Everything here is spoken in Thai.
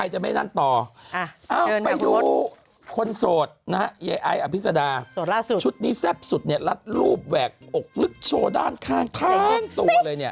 ชุดนี้แทบสุดเนี่ยลัดรูปแหวกหลึกโชว์ด้านข้างตัวเลยเนี่ย